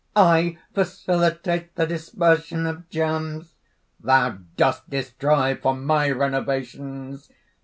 "I facilitate the dispersion of germs!" "Thou dost destroy for my renovations!"